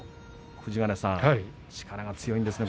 富士ヶ根さん力が強いですね。